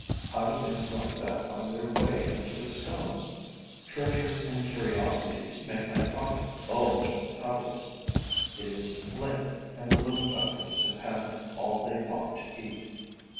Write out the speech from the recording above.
How do things like that find their way into the stone? Treasures and curiosities make my pockets bulge with pebbles. It is late and the little ducklings have had all they want to eat.